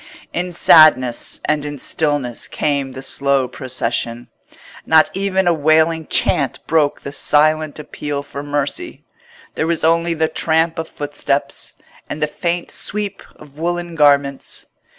In sadness and in stillness came the slow procession. Not even a wailing chant broke the silent appeal for mercy: there was only the tramp of footsteps, and the faint sweep of woollen garments.